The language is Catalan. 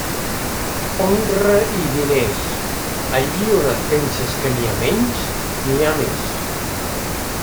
Honra i diners, allí on et penses que n'hi ha menys n'hi ha més.